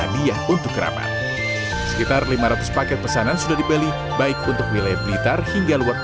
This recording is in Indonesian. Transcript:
lampion ini menyebabkan penyakit